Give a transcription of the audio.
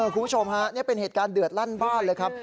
คุณผู้ชมฮะนี่เป็นเหตุการณ์เดือดลั่นบ้านเลยครับ